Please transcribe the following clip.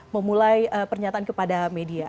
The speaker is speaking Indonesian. memulai pernyataan kepada media